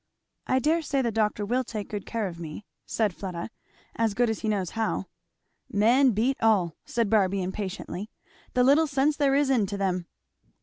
"I dare say the doctor will take good care of me," said Fleda; "as good as he knows how." "Men beat all!" said Barby impatiently. "The little sense there is into them!